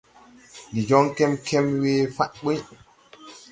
Ndi jɔŋ kɛmkɛm we fa̧ɗ ɓuy.